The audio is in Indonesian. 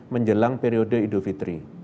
menjelang periode idofitri